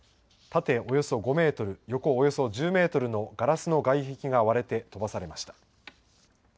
縦およそ５メートル、横およそ１０メートルのガラスの外壁が割れて飛ばされました。